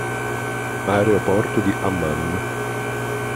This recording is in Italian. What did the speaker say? Aeroporto di Amman